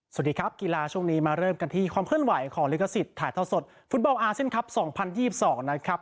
สวัสดีครับกีฬาช่วงนี้มาเริ่มกันที่ความเคลื่อนไหวของลิขสิทธิ์ถ่ายเท่าสดฟุตบอลอาเซียนครับ๒๐๒๒นะครับ